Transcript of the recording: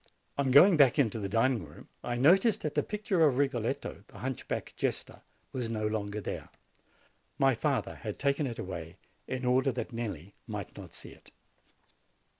On going back to the dining room, I noticed that the picture of Rigoletto, the hunchback jester, was no longer there. My father had taken it away in order that Nelli might not see it.